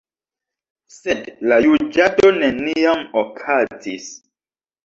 Sed la juĝado neniam okazis.